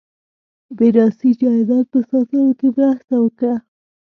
میراثي جایداد په ساتلو کې مرسته وکړه.